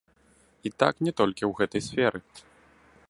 І так не толькі ў гэтай сферы.